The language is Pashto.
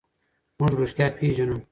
موږ رښتیا پېژنو.